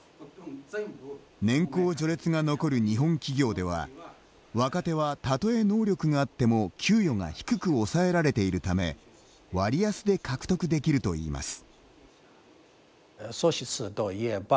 年功序列が残る日本企業では若手は、たとえ能力があっても給与が低く抑えられているため割安で獲得できるといいます。